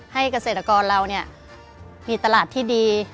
เกษตรกรเรามีตลาดที่ดี